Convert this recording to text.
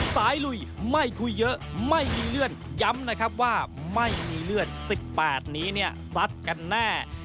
ลุยไม่คุยเยอะไม่มีเลื่อนย้ำนะครับว่าไม่มีเลือด๑๘นี้เนี่ยซัดกันแน่